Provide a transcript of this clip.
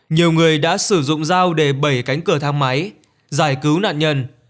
nhiều người đã sử dụng dao để bẩy cánh cửa thang máy giải cứu nạn nhân